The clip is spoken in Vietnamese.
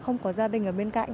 không có gia đình ở bên cạnh